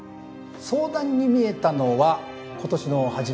相談に見えたのは今年の初め頃です。